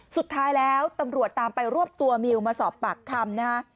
สุดท้ายแล้วตำรวจตามไปรวบตัวมิวมาสอบปากคำนะฮะ